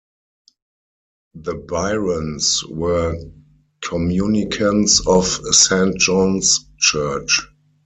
The Byrons were communicants of Saint John's Church.